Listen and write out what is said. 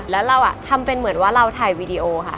แล้วเราทำเป็นเหมือนว่าเราถ่ายวีดีโอค่ะ